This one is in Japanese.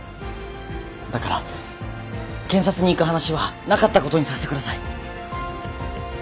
だから検察に行く話はなかったことにさせてください。